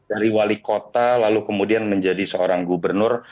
dari wali kota lalu kemudian menjadi seorang gubernur